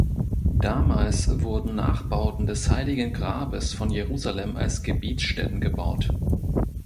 Damals wurden Nachbauten des Heiligen Grabes von Jerusalem als Gebetsstätten gebaut.